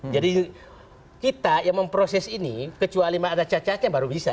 jadi kita yang memproses ini kecuali ada cacatnya baru bisa